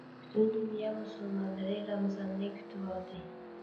پۈتۈن دۇنيا مۇسۇلمانلىرى رامىزاننى كۈتۈۋالدى.